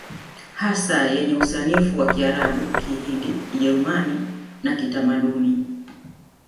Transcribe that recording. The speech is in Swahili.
Hasa yenye usanifu wa Kiarabu Kihindi Kijerumani na Kitamaduni